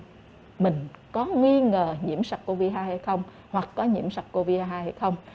nếu như mình có nghi ngờ nhiễm sắc covid hai hay không hoặc có nhiễm sắc covid hai hay không